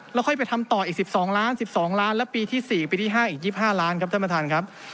แล้วค่อยไปทำต่ออีก๑๒ล้าน๑๒ล้านและปีที่๔ปีที่๕อีก๒๕ล้านครับท่านประธานครับ